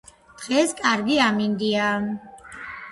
დღეს კარგი ამინდია.